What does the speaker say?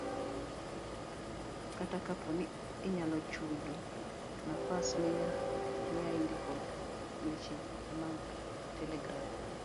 Kata kapo ni inyalo chudo, nafas minyalondikoe weche e mag telegram